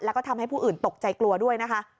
แล้วก็ทำให้ผู้อื่นตกใจกลัวด้วยนะคะ